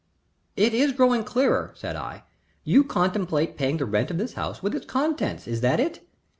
"It is growing clearer," said I. "You contemplate paying the rent of this house with its contents, is that it?"